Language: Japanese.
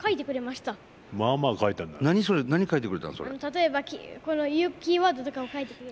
例えばこの言うキーワードとかを書いてくれた。